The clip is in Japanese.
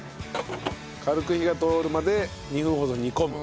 軽く火が通るまで２分ほど煮込む。